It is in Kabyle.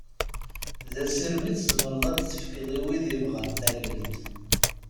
D asirem i tzemreḍ ad tefkeḍ i win yebɣan tallelt.